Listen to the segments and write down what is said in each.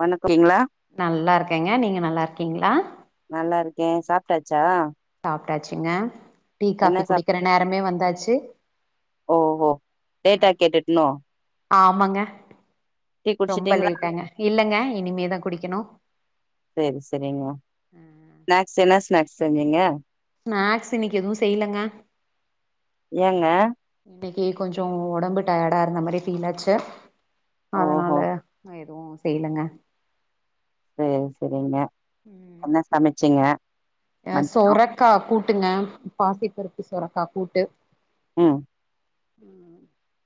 வன நல்லா இருக்கேங்க நீங்க நல்லா இருக்கீங்களா கே சாப்டாச்சா சாப்டாச்சுங்க டீ காபி குடிக்கிற நேரமே வந்தாச் சி ஓ ஓ லேட்டா கேட்டுட்டனோ ஆமாங்க டீ ரொம்ப குடிச்சிட்டீங்களா லேட்டாங்க இல்லங்க இனிமேதா குடிக்கணு சேரி சேரிங்க நாக்ஸ் என்ன ஸ்நாக்ஸ் செஞ்சிங்க ஸ்நாக்ஸ் இன்னைக்கு எதுவு செய்லங்க ஏங்க இன்னைக்கு கொஞ்சோ ஒடம்பு டயர்டா இருந்த மாரி பீலாச்சி ஓஹோ அதனால செய்லங்க செரிசெரிங்க என்ன சமச்சிங்க அஹ சோரைக்காய் கூட் ட்டுங்க பாசிப்பருப்பு சோரக்கா கூட்டு உம்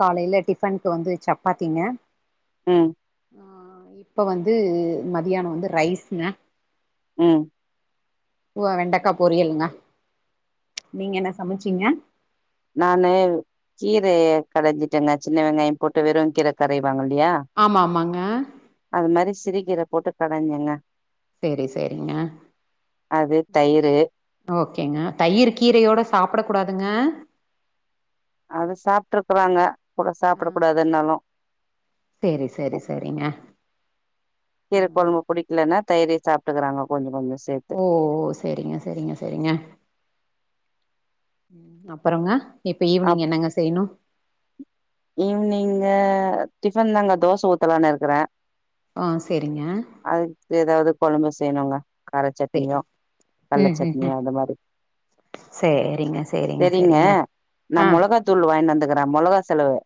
காலையில டிஃபனுக்கு வந்து சப்பாத்திங்க ம் இப்போ வந்து மதியானோம் வந்து ரைஸ்ங்க உம் வெண்டக்க பொரியல்ங்க நீங்க என்ன சமச்சீங்க நானு கீரைய கடஞ்சிடேங்க சின்ன வெங்காயோ போட்டு வெறும் கீர கடைவாங்கள ஆமாஆமாங்க கீரை போட்டு கடைஞ்சேங்க செரி செரிங்க அது தயிரு ஓகேங்க தயிர் கீரையோட சாப்பிட கூடாதுங்க அது சாப்ட்ருக்குறாங்க கூட ஆ சாப்பிடக்க கூடாதுனாலும் சேரி சேரி சேரிங்க கீரைக்கொழம்பு புடிக்கலன்னா தயிரு சாப் எத்துக்குறாங்க கொஞ்ச கொஞ்ச ஓ செரிங்க செரிங்க செரிங்க உம் அப்புறங்க அப் ஈவினிங்கு டிபன் தாங்க தோச ஊத்தலான்னு இருக்குறேன் ஆஹ் செரி அதுக்கு ஏதாவது கொழம்பு செய்னுங்க கார சேரி சட்னியோ கல்ல ம் ம் சட்னியோ ம் அது மாரி சேரிங்க சேரிங்க செரிங்க சேரிங்க நா ஆ மொளகாத்தூள் வாங்கிவந்துகிறேன் நா மொளகா செலவு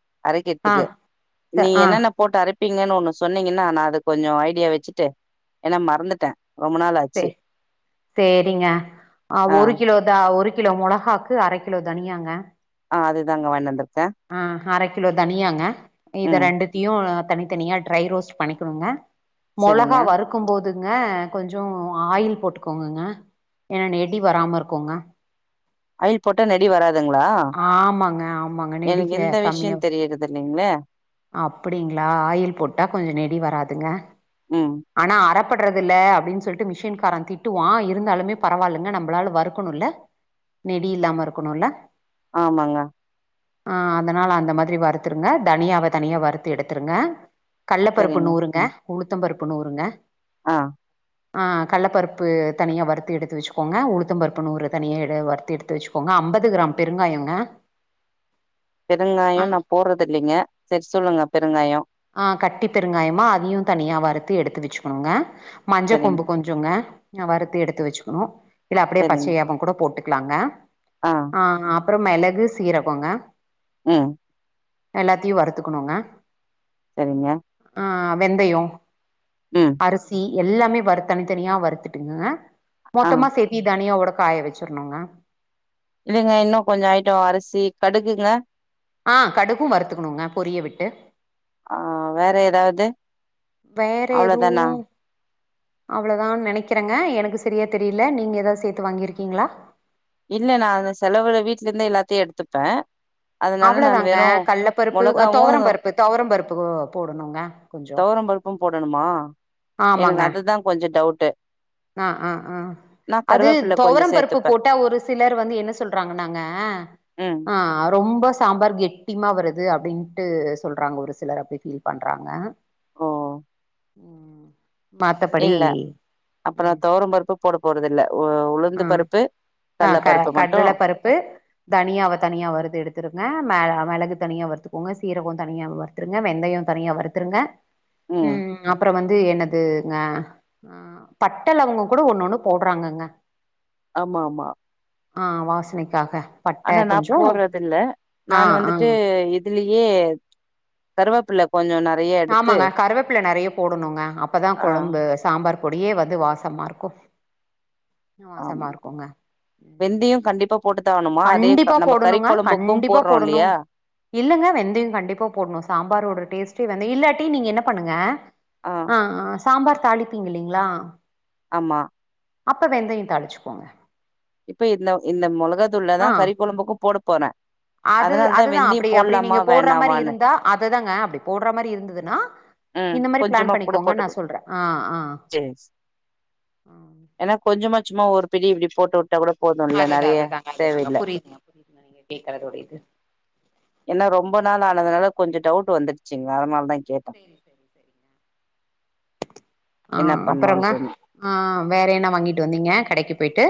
ஆ அரைக்கிறத்துக்கு ச- நீங்க ஆ என்னன்ன போட் அரைப் பீங்க ஒன்னு சொன்னீங்கன்னா நா அது கொஞ்ச ஐடியா வச் சீட்டு ஏன்னா மறந்துட்டேன் செ செரிங்க ஆஹ ஆ ஒரு கிலோதான் கிலோ மொளகாக்கு அரை கிலோ தனியாங்க ஆ அதுதாங்க வாங்கிட்டுவந்துருக்கேன் ஆ அரைக் கிலோ தனியாங்க இத ம் ரெண்டுத்தையு தனித்தனியா ட்ரை ரோஸ்ட் பண்ணிக்கோங்க செரிங்க மொளகா வறுக்கும் போது ங்க கொஞ்சோ ஆயில் போட்டுக்கோங்கங்க ஏன்னா நெடி வராம இருக்கோங்க ஆயில் போட்ட நெடி வராத் ஆமாங்க-ஆமாங்க நெடிக்க கம்மியா இல்லைங்ளா அப்டிங்ளா ஆயில் போட்டா கொஞ்ச நெடி வராதுங்க ம் ஆனா அற பட்றதில்ல அப்டினு சொல்ட்டு மிஷின் கார திட்டு வா இருந்தாலுமே பரவாயில்லங்க நம்மளால வருக்கணு இல்ல நெடி இல்லாம இருக்கணுல்ல ஆமாங்க ஆ அதனால அந்த மாரி வருத்துருங்க தனியாவ தனியா வறுத்து எடுத்துருங்க கல்லபருப்பு சரிங்க நூறுங்க உளுத்தம்பருப்பு நூறுங்க ஆ ஆ கல்லப்பருப்பு தனியா வறுத்து எடுத்து வெச்சுக்கோங்க உளுத்த பருப்பு நூறு தனியா வறுத்து எடுத்து வெச்சுக்கோங்க அம்பது கிராம் பெருங்காயங்க ஆ பெருங்காயோ நா போட்றது இல்லங்க சரி சொல்லுங்க பெருங்காயோ ஆ கட்டி பெருங்காயமா அதயு தனியா வறுத்து எடுத்து வெச்சுக்கோங்க மஞ்ச சரிங்க கொம்பு கொஞ்சங்க ந வறுத்து எடுத்து வெச்சுக்கணு இல்ல அப்டியே சரிங்க பச்சையாவு கூட போட்டு இருக்கலாங்க ஆ அப் அப்றோ மெளகு சீரகோங்க ம் எல்லாத்தையு வறுத்துக்கணுங்க சரிங்க ஆ வெந்தயோ ம் அரிசி எல்லாமே வறுத் தனித்தனியா வறுத்துட்டுங்க ஆ மொத்தமா சேத்தி தனியா உடக் காய வெச்சுர்ணுங்க இல்லைங்க இன்னு கொஞ்சோ அயிட்டோ அரிசி கடுகுங்க ஆ கடுக்கு வருத்துக்கணுங்க பொரிய விட்டு ஆ வேற ஏதாவது வேற எதுவு அவ்ளோதானா அவ்வளதான் நெனைக்கிறங்க எனக்கு செரியா தெரியல நீங்க ஏதாவது சேத்து வாங்கிருக்கீங்களா இல்ல நா அந்த செலவுல வீட்ல இருந்து எல்லாத்தையு எடுத்துப்ப அவ்வளோதாங்க கல்ல பருப்பு தொவரம் மொளகாவு பருப்பு தொவரம் பருப்பு போடணுங்க கொஞ்சோ தொவரம் பருப்பு போடணுமா ஆமாங்க எனக்கு அதுதா கொஞ்சோ டவுட் டு ஆ ஆ ஆ அது கொஞ்சோ தொவரம் பருப்பு சேத்துப்பே போட்டா ஒருஸ் சிலர் வந்து என்ன சொல்றாங்கன்னாங்க ம் ஆ அரோ ரொம்ப சாம்பார் கெட்டிமா வருது அப்டின்ட்டு சொல்றாங்க ஒரு சிலர் அப்டி ஃபீல் பண்றாங்க ஓ ம் மத்தபடி அப்போ நா தொவரம் பருப்பு போட போறது இல்ல ஓ ம் ஆ க மட்டு கடல பருப்பு தனியாவ தனியா வருத்து எடுத்துருங்க மேல மெளகு தனியா வருத்துக்கோங்க சீரகோ தனியா வருத்துருங்க வெந்தயோ தனியா வருத்துருங்க ம் அப்புறோ வந் து என்னதுங்க ஆ பட்ட லவங்கோ கூட ஒண்ணு ஒண்ணு போடுறாங்கங்க ஆமா ஆமா ஆ வாசனைக்காக பட்ட ஆனா நா கொஞ்சோ போடுறது இல்ல ஆ நானு ஆ வந்துட்டு இதுலியே கருவேப்புள்ள கொஞ்சோ நல் ஆமாங்க கருவேப்புள்ள நெறைய போடணுங்க அப்பதா ஆ கொழம்பு சாம்பார் பொடியே வந்து வாசமா இருக்கு ஆம் வாசமா இருக்குங்க ம் போட்டுத்தா ஆவணுமா அதே கண்டிப்பா நம்ப கறி போடணுங்க கொழம்புக்கும் கண்டிப்பா போற்றோ போடணு இல்லையா இல்லங்க வெந்தயோ கண்டிப்பா போடணே சாம்பாரோட டேஸ்ட்டே வந்து இல்லாட்டி நீங்க என்ன பண்ணுங்க ஆ ஆ ஸ் சாம்பார் தாளிப்பீங்க இல்லைங்களா ஆமா அப்ப வெந்தயம் தாளிச்சிக்கோங்க இப்ப இந்த இந்த மொளகா இதுள்ளதான் கறி கொழம்புக்கும் போட போர அது அதுதான் அப்படி அப்படி நீங்க போடற மாதிரி வேணாமான்னு இருந்தா அதுதாங்க அப்படி போடற மாதிரி இருந்ததுன்னா ம் இந்த மாரி பிளான் கொஞ்சமா கூட பண்ணிக்கோங்கனு போட்டுக்கோ நான் சொல்றே ஆ ஆ சேரி ஆ ஏன்னா கொஞ்சமா சும்மா ஒரு பெடி இப்படி போட்டு உட் டெவடப் போதுல்ல அதுதான் நெறயா அதுதாங்க அதுதாங்க தேவையில்ல புரியுதுங்க புரியுதுங்க நீங்க கேக்குறதோட இது ஏன்னா ரொம்ப நாள் புரியுது ஆனதுனால கொஞ்சம் டவுட் வந்து ச்சிங்களா அதனாலதா செரி செரி செரிங்க ஆ என்ன அப்பறங்க பண்ணுன்ட்டுன்னு ஆ வேற என்ன வாங்கிட்டு வந்திங்க கடைக்கி போய்ட்டு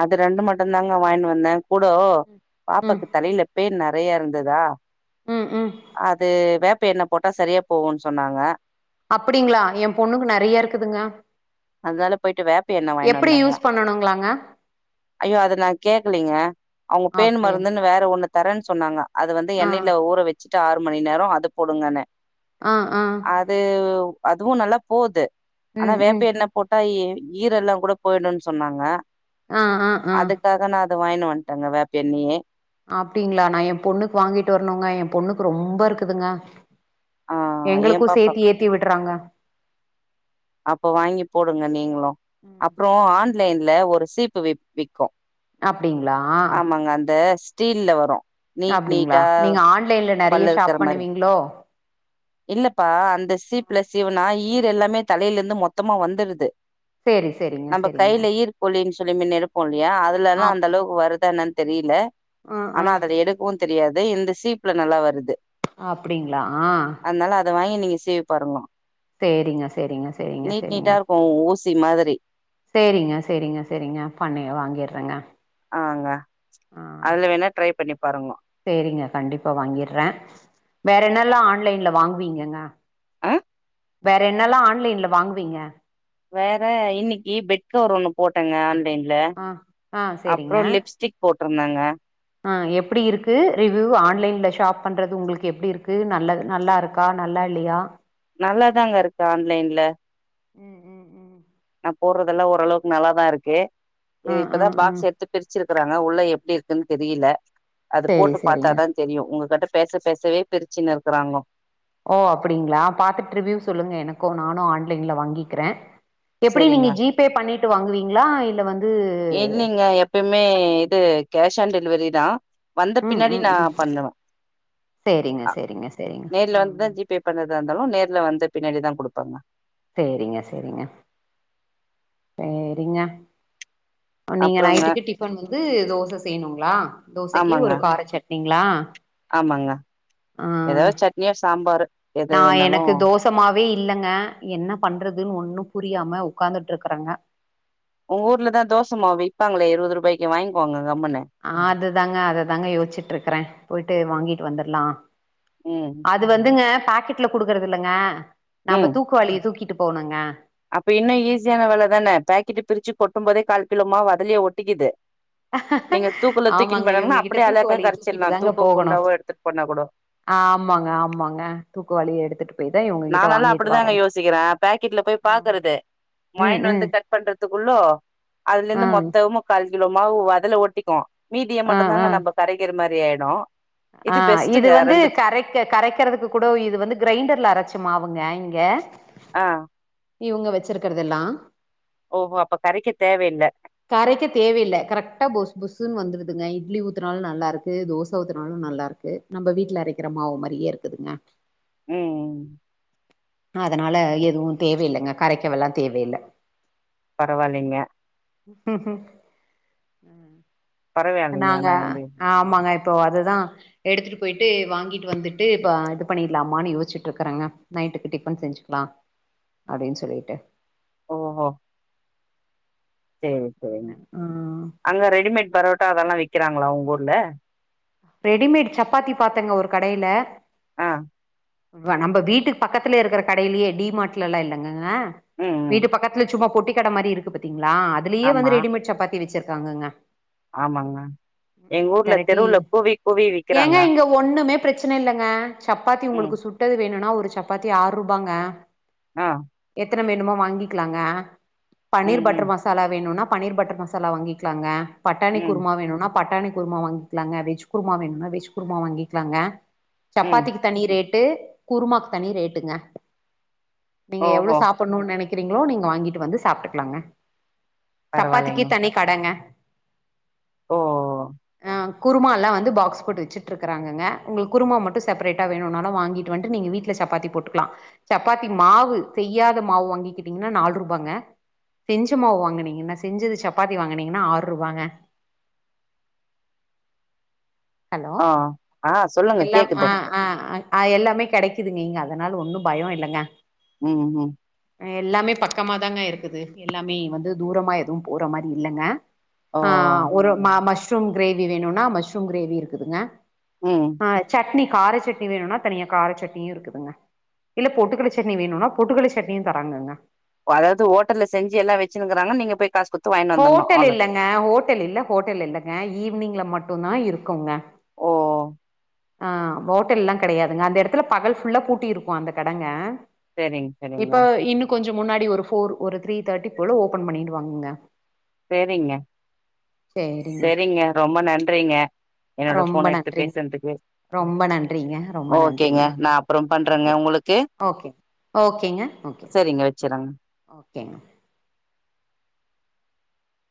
அது ரெண்டு மட்டும்தாங்க வாங்கினு வந்த கூடோ ம் பாப்பாக்கு தலையில பேண் நறையா இருந் ததா ம் ம் அது வேப் ப்ப என்ன போட்டா சரியா போவுன்னு சொன்னாங்க அப்படிங்களா என் பொண்ணுக்கு நெறயா இருக்குதுங்க அதனால போயிட்டு வேப்ப எண்ணெ வாங்கினு எப்படி வந்தாங்க யூஸ் பண்ணணுங்களாங்க ஐயோ அத நான் கேக்கலீங்க அவங்க பேன் அப்படியா மருந்துன்னு வேற ஒண்ணு தரன்னு சொன்னாங்க அது வந்து ஆ எண்ணெயில ஊற வச்சி ட்டு ஆறு மணி நேரம் அது போடுங்கனு ஆ ஆ அது அதுவும் நல்லா போவுது ஆனா ம் ம் வேப்பெண்ண போட்டா எ ஈரெல்லாம் கூட போயிடும் சொன்னாங்க ஆ ஆ ஆ அதுக்காக நா அத வாங்கினு வண்ட்டங்க வேப்ப எண்ணியே அப்டிங்களா நா ஏன் பொண்ணுக்கு வாங்கிட்டு வரணுங்க ஏன் பொண்ணுக்கு ரொம்ப இருக்குதுங்க ஆஹ ஏ எங்களுக்கு பாப்பா சேத்தி ஏத்தி விடுறாங்க அப்ப வாங்கி போடுங்க நீங்களும் ம், அப்புறம் ம். ஆன் லைன்ல ஒரு சீப்பு விக்கும் அப்டிங்களா ஆமாங்க அந்த ஸ்டீல்ல வரும் அப்டிங்களா நீங்க ஆன்லைன்ல நெறைய பல்லு இருக்கற ஷாப் மாரி பண்ணுவீங்களோ இல்லப்பா அந்த சீப்ல சீவுனா ஈர் எல்லாமே தலையில இருந்து மொத்தமா வந்துருது சேரி சேரிங்க நம்ம சேரிங்க கையில ஈ்கொலன் [unintelligible] யா அதுல எல்லாம் அந்த ஆமா அளவுக்கு வருதுனா என்னானு தெரியல ஆ ஆ ஆனா அதுல எடுக்கவும் தெரியாது இந்த சீப்ல நல்லா வருது அப்டிங்களா ஆ அதனால அத வாங் நீங்க சீவி பாருங்கோ சேரிங்க சேரிங்க செரிங்க செரிங்க இது மாதிரி சேரிங்க சேரிங்க செரிங்க பண்ணி வாங்கிடுறேங்க ஆங்க ஆஹ அதுல வேணா ட்ரை பண்ணி பாருங்கோ சேரிங்க கண்டிப்பா வாங்கிடுறேன் வேற என்னல்லாம் ஆன்லைன்ல வாங்குவீங்க ஆஹ வேற என்னல்லாம் ஆன்லைன்ல வாங்குவீங்க வேற இன்னைக்கு பெட் கவர் ஒண்ணு போட்டங்க ஆன்லைன் ல ஆ ஆ சேரிங்க அப்புறம் லிப்ஸ்டிக் போட் என்னங்க ஆஹ எப்படி இருக்கு ரிவ்யூ ஆன்லைன்ல ஷாப் பண்றது உங்களுக்கு எப்படி இருக்கு நல்லா நல்லா இருக்கா நல்லா இல்லையா நல்லாதாங்க இருக்கு ஆன்லைன்ல உம் உம் உம் நான் போடுறதெல்லாம் ஓரளவுக்கு நல்லாதான் இருக்குது ஆ இது ஆ இப்பதான் ஆ பாக்ஸ் எடுத்து பிரிச்சிருக்கறாங்க உள்ள எ எப்படி இருக்குன்னு தெரியல அது சேரி போட்டு சேரிங்க பார்த்தாதான் தெரியும் உங்ககிட்ட பேச பேசவே பிரிச்சுனு இருக்குறாங்க ஓ அப்டீங்ளா பாத்துட்டு ரிவ்யூ சொல்லுங்க எனக்கு நானு ஆன்லைன்ல வாங்கிக்றே [inaudible] எப்டி நீங்க செரிங்க ஜி பே பண்ணிட்டு வாங்குவீங்ளா இல்ல வந்து இல்லைங்க எப்பயுமே இது கேஷ் ஆன் டெலி வரிதா வந்த ம் பின்னாடி ம் நா ம் பண்ணுவ சேரிங்க அ சேரிங்க சேரிங்க நேர்ல வந்துதா ம் ஜி பே பண்றதா இருந்தாலு நேர்ல வந்த பின்னாடி தா குடுப்ப தங்க [unintelligible] சேரிங்க சேரிங்க சேரீங்க நீங்க அப்றோங்க நைட்டுக்கு டிஃபன் வந்து தோச செய்யணுங்ளா தோசைக்கு ஆமாங்க ஒரு கார சட்னி ங்ளா ஆமாங்க ஏதாவது சட்னியோ சாம்பரு நா எனக்கு தோசமா மாவே இல்லங்க என்ன பண்றதுனு ஒன்னு புரியாம உட்கார்ந்துட்டு இருக்றோங்க ஒங்க ஊர்ல தா தோசமாவு விப்பாங்ளே இருபது ரூபா இப்பைக்கு வாங்க்கோங்க ஆ அதுதாங்க அததாங்க யோச்சிட்டு இருக்றே போயிட்டு ட்டு வாங்கிட்டு வந்துறலா ம் அது வந்துங்க பாக்கெட்ல குடுக்குறது இல்லங்க நாம ம் தூக்குவாளிய தூக்கிட்டு போனுங்க அப்ப இன்னு ஈஸியான வேல தான பாக்கெட்டு பிரிச்சு கொட்டும் போதே கால் கிலோ மாவு அதுலியே ஒட்டிக்குது நீங்க தூக்குல தூக்கின்னு ஆமாங்க போனாங்கன்னா இவங்ககிட்ட அப்படியே அழகா தூக்குவாளிய தூக்கிட்டு கரைச்சிடலா தாங்க தூக்கோ போகணு குண்டாவோ எடுத்துட்டு போனா கூட ஆமாங்க ஆமாங்க தூக்குவாளிய எடுத்துட்டு போயிரு நானல்லா அப்டிதாங்க யோசிக்குறே பேக்கெட்ல போய் பாக்குறது ம் வாயன் வந்து ம் கட் பண்றதுக்குள்ளோ அதுல ஆ இருந்து மொத்தமு இவ்லோ மாவு அதுல ஒட்டிக்கு மீதிய ஆ ஆ மட்டுந்தாங்க நம்ம கரைக்கிற மாரி சரி ஆயிடு ஆ இது பெஸ்ட்டுங்க வந்து ரெண்டு கரைக்க கரைக்குறதுக்கு கூட இது வந்து கிரைண்டர்ல அரச்சி மாவுங்க இங்க ஆ இவங்க வச்சிருக்கதெல்லா ஓ ஓ அப்ப கரைக்க தேவ இல்ல கரைக்க தேவையில்ல கரெக்டா பொசு புசுன்னு வந்துருதுங்க இட்லி ஊத்துனாலு நல்லா இருக்கு தோசை ஊத்துனாலு நல்லா இருக்கு நம்ம வீட்டுல அரைக்கிற மாவு மாரியே இருக்குதுங்க ம் அதனால எதுவும் தேவையில்லைங்க கரைக்கவல்லா தேவையில்ல பரவாயில்லைங்க ம் ம் இப்ப பரவாயில்லைங்க நாங்க ஆனா வந்து ஆமாங்க அப்போ அததுதா எடுத்துட்டு போயிட்டு வாங்கிட்டு வந்துட்டு இப்ப இது பண்ணிடலாமான்னு யோிச்சுட்டு இருக்கறேங்க நைட்டுக்கு டிபன் செஞ்சுக்கலா அப்படின்னு சொல்லிட்டு ஒ ஓ சேரி சேரி ம் அங்க ரெடிமேட் பரோட்டா அதெல்லா வி விக்கிறாங்களா உங்க ஊர்ல ரெடிமேட் சப்பாத்தி பாத்தங்க ஒரு கடையில ஆ நம்ப நம்ப வீட்டுக்கு பக்கத்துலயே இருக்கிற கடையிலேயே டி மார்ட்ல எல்லா இல்லங்க ம் ம் வீட்டு பக்கத்துல சும்மா பொட்டிக்கட மாரி இருக்கு பதி ங்கள அதுலயே ஆமா வந்து ரெடிமேட் சப்பாத்தி வச்சிருக் இருக்காங்கங்க ஆமாங்க எங்க ஊர்ல தெரட்டி தெருல கூவி கூவி விக்கிறாங்க இன்னுமே பிரச்சன இல்லைங்க சப்பாத்தி ம் உங்களுக்கு சுட்டது வேணும்னா ஒரு சப்பாத்தி ஆறு ரூபாங்க ஆ எத்தன வேணுமோ வாங்கிக்கலாங்க பன்னீர் ம் பட்டர் ம் மசாலா வேணும்னா பன்னீர் பட்டர் மசாலா வாங்கிக்கலாங்க பட்டாடாணி ம் குருமா வேணும்னா பட்டாணி குருமா வாங்கிக்கலாங்க வெஜ் குருமா வேணுன்னா வெஜ் குருமா வாங்கிக்லாங்க ம் சப்பாத்திக்கு தனி ரேட் விட்டு குருமாக்கு தனி ரேட்டுங்க நீங்க எவ்ளோ ஓஹோ சாப்பிணும்னு நினைக்கன் இருக்கீங்களோ நீங்க வாங்கிட்டு வந்து சாப்பிட்டுக்கலாங்க சப்பாத்திக்கு பரவாயில்லைங்க தனி கடங்க ஓ ஓ அ குருமால்லா வந் து பாக்ஸ் போட்டு வச்சிட்ருக்குறாங்கங்க உங்ளுக் குருமா மட்டு செப்பரேட்டா வேணுன்னாலு வாங்கிட்டு வன்ட்டு நீங்க வீட்ல சப்பாத்தி போட்டுக்லா சப்பாத்தி மாவு செய்யாத மாவு வாங்கிக்கிட்டிங்னா நால்ருபாங்க செஞ்ச மாவு வாங்குனீங்கன்னா செஞ்சது சப்பாத்தி வாங்குனீங்கனா ஆறுவாங்க ஆ ஆ சொல்லுங்க எல்லாம் ஆ கேக்குது ஆ ஆ எல்லாமே கெடைக்குதுங்க இங்க அதுனால ஒன்னு பயொ இல்லங்க ம் ம் ம் எல்லாமே பக்கமாதாங்க இருக்குது எல்லாமே வந்து தூரமா எதுவு போற மாரி இல்லங்க ஓ ஆ ஒரு மா மஷ் ரூம் கிரேவி வேணுன்னா மஷ்ரூம் கிரே வி இருக்குதுங்க ம் ஆ சட்னி கார சட்னி வேணுனா தனியா கார சட்னியு இருக்குதுங்க இல்ல பொட்டுக்கல்ல சட்னி வேணுனா பொட்டு கல்ல சட்னியு தராங்கங்க அதாவுது ஹோட்டல்ல செஞ்சி எல்லா வெச்சினுக்குறாங்க நீங்க போய் காசு குத் ஹோட்டல் இல்லங்க ஹோட்டல் இல்ல ஹோட்டல் இல்லங்க ஈவினிங்ல மட் டுந்தா இருக்குங்க ஓ ஆ ஹோட்டல்லா கெடையாதுங்க அந்த எடத்துல பகல் ஃபுல்லா பூட்டி இருக்கு அந்த கடங்க செரிங் செரிங்க ச முன்னாடி ஒரு ஃபோர் ஒரு த்ரீ தேர்ட்டி போல ஓபன் பண்ணிடு வாங்கங்க சேரிங்க சேரிங்க செரிங்க ரொம்ப நன்றிங்க என்னோட ரொம்ப ஃபோன எடுத்து நன்றிங்க பேசுன்துக்கு ரொம்ப நன்றிங்க ரொம்ப ஓகேங்க நன்றிங்க நா அப்பறம் பண்றேங்க ஓகே உங்களுக்கு ஓகே ஓகேங்க செரிங்க வச்சுறேங்க கேங்க